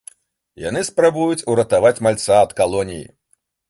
Яны спрабуюць уратаваць мальца ад калоніі.